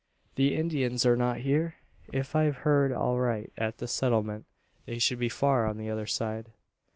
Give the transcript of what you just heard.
The Indians are not here? If I've heard aright at the Settlement, they should be far on the other side."